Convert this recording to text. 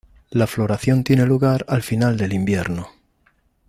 La floración tiene lugar al final del invierno.